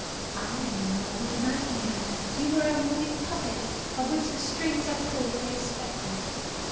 I am in love with a nightmare. You are a moving puppet, of which the strings are pulled by a spectre.